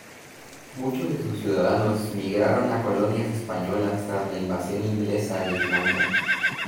Muchos de sus ciudadanos migraron a colonias españolas tras la invasión inglesa de Irlanda.